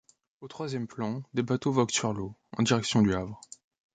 Au troisième plan, des bateaux voguent sur l'eau, en direction du Havre.